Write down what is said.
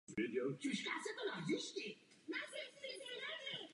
Je opravdu důležitá.